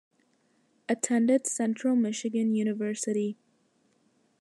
Attended Central Michigan University.